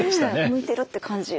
向いてるって感じ。